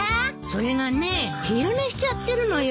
それがね昼寝しちゃってるのよ。